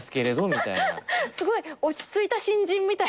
すごい落ち着いた新人みたい。